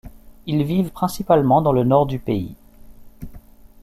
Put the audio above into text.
Ils vivent principalement dans le nord du pays.